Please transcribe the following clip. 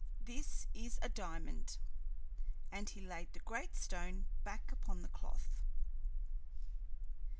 This is a diamond." And he laid the great stone back upon the cloth.